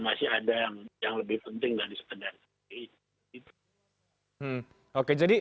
masih ada yang lebih penting dari sekedar